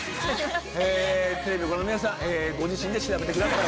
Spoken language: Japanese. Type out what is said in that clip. テレビをご覧の皆さんご自身で調べてください。